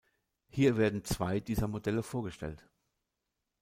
Hier werden zwei dieser Modelle vorgestellt.